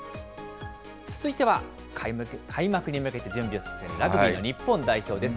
続いては、開幕に向けて準備を進めるラグビーの日本代表です。